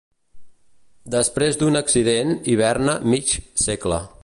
Després d'un accident, hiberna mig segle.